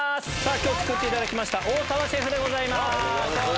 今日作っていただきました大澤シェフでございます。